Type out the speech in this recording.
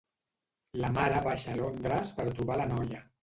La mare baixa a Londres per trobar la noia.